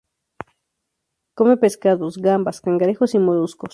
Come pescados, gambas, cangrejos y moluscos.